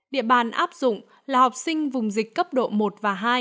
địa bàn áp dụng là học sinh vùng dịch cấp độ một và hai